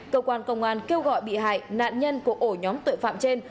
cơ quan công an kêu gọi bị hại nạn nhân của ổ nhóm tội phạm trên